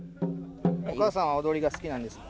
おかあさんは踊りが好きなんですか？